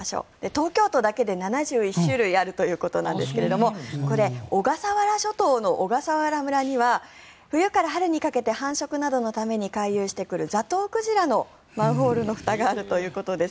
東京都だけで７１種類あるということなんですがこれ、小笠原諸島の小笠原村には冬から春にかけて繁殖のために回遊してくるザトウクジラのマンホールのふたがあるということです。